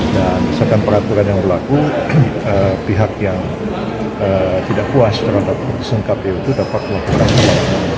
dan setelah peraturan yang berlaku pihak yang tidak puas surat keputusan kpu itu dapat melakukan apa